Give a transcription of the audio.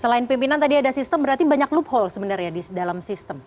selain pimpinan tadi ada sistem berarti banyak loophole sebenarnya di dalam sistem